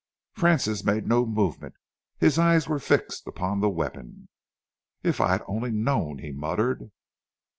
Francis made no movement. His eyes were fixed upon the weapon. "If I had only known!" he muttered.